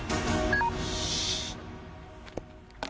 よし。